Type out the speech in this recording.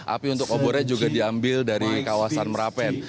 api untuk obornya juga diambil dari kawasan merapen